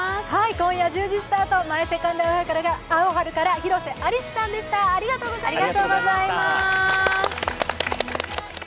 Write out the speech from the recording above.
今夜１０時スタート「マイ・セカンド・アオハル」から広瀬アリスさんでした、ありがとうございました。